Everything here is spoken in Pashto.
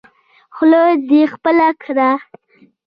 خوله دې خپله کړه.